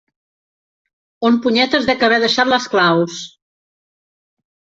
On punyetes dec haver deixat les claus?